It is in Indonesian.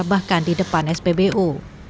bahkan di depan spbu